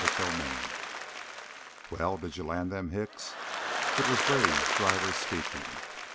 CHAPTER VI "Well, did you land them hicks?" It was Gray's driver speaking.